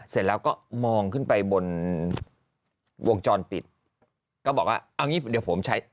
เสร็จแล้วก็มองขึ้นไปบนวงจรปิดก็บอกว่าเอางี้เดี๋ยวผมใช้